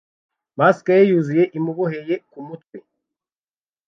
mask ye yuzuye imuboheye kumutwe